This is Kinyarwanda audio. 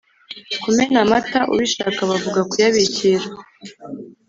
Kumena Amata ubishaka bavuga Kuyabikira